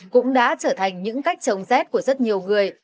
cũng đã trở thành những cách chống rét của rất nhiều người